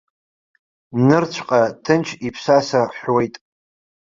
Нырцәҟа ҭынч иԥсаса ҳәуеит.